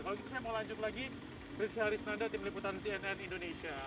kalau gitu saya mau lanjut lagi rizky harisnanda tim liputan cnn indonesia